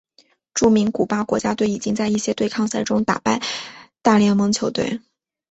著名古巴国家队已经在一些对抗赛中打败大联盟球队。